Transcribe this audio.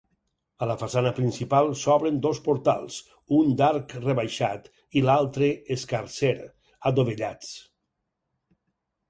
A la façana principal s'obren dos portals, un d'arc rebaixat i l'altre escarser, adovellats.